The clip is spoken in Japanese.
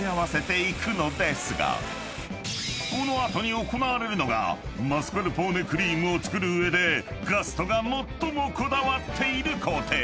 ［この後に行われるのがマスカルポーネクリームを作る上でガストが最もこだわっている工程］